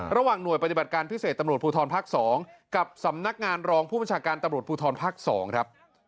ระหว่างหน่วยปฏิบัติการพิเศษตำรวจภูทรภาค๒กับสำนักงานรองผู้บัญชาการตำรวจภูทรภาค๒ครับ